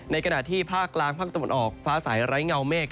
ในขณะที่ภาคล้างฝั่งตะวนออกฟ้าสายไร้เงาเมฆ